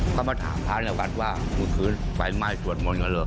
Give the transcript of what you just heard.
เขามาถามพระในวัดว่าเมื่อคืนไฟไหม้สวดมนต์กันเหรอ